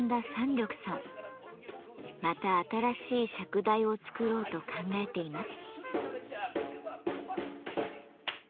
また新しい釈台を作ろうと考えています。